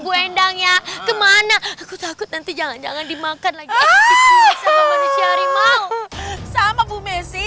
bu endang ya kemana aku takut nanti jangan jangan dimakan lagi sama bu messi